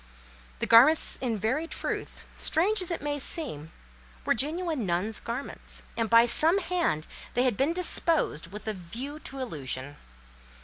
The garments in very truth, strange as it may seem, were genuine nun's garments, and by some hand they had been disposed with a view to illusion.